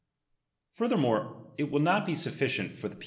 Furthermore, it will not be sufficient for the ind™«racr.